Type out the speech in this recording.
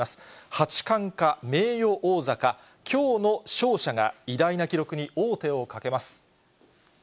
八冠か、名誉王座か、きょうの勝者が偉大な記録に王手をかけます。